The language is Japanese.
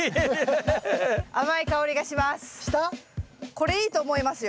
これいいと思いますよ。